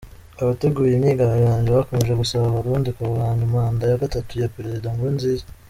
Abateguye imyigaragambyo bakomeje gusaba Abarundi kurwanya manda ya gatatu ya Perezida Nkurunziza.